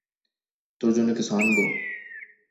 তোর জন্য কিছু আনবো?